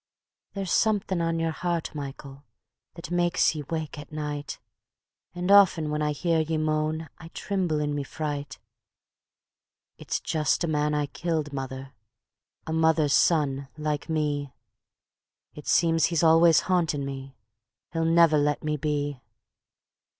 ..." "There's something on your heart, Michael, that makes ye wake at night, And often when I hear ye moan, I trimble in me fright. ..." "It's just a man I killed, mother, a mother's son like me; It seems he's always hauntin' me, he'll never let me be.